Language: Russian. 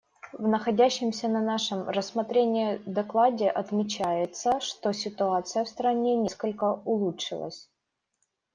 В находящемся на нашем рассмотрении докладе отмечается, что ситуация в стране несколько улучшилась.